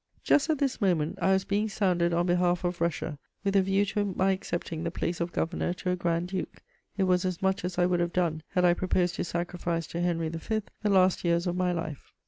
Just at this moment, I was being sounded on behalf of Russia with a view to my accepting the place of governor to a grand duke: it was as much as I would have done had I proposed to sacrifice to Henry V. the last years of my life.